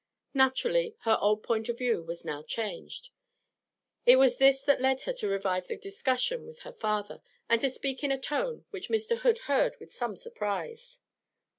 Naturally her old point of view was now changed; it was this that led her to revive the discussion with her father, and to speak in a tone which Mr. Hood heard with some surprise.